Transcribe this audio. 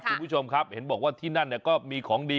คุณผู้ชมครับเห็นบอกว่าที่นั่นก็มีของดี